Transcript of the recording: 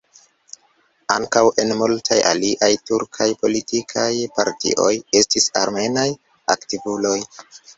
Ankaŭ en multaj aliaj turkaj politikaj partioj estis armenaj aktivuloj.